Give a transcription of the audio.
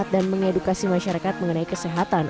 dan mengedukasi masyarakat mengenai kesehatan